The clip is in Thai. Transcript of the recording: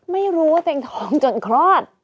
ไม่รู้ว่าเป็นพี่ท้องจนครอบ